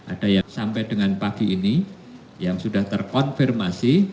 ada yang sampai dengan pagi ini yang sudah terkonfirmasi